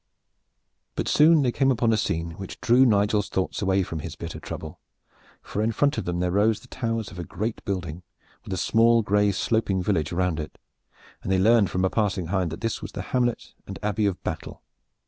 But soon they came upon a scene which drew Nigel's thoughts away from his bitter trouble, for in front of them there rose the towers of a great building with a small gray sloping village around it, and they learned from a passing hind that this was the hamlet and Abbey of Battle.